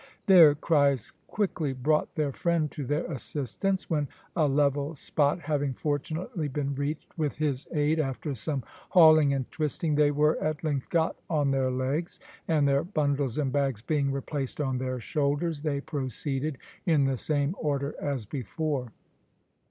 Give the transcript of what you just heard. Their cries quickly brought their friend to their assistance, when a level spot having fortunately been reached, with his aid, after some hauling and twisting, they were at length got on their legs, and their bundles and bags being replaced on their shoulders they proceeded in the same order as before.